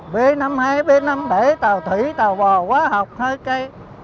b năm mươi hai b năm mươi bảy tàu thủy tàu bò hóa học hai cây